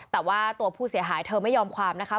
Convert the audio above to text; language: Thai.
แต่ว่าตัวผู้เสียหายเธอไม่ยอมความนะคะ